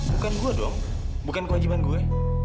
bukan gue dong bukan kewajiban gue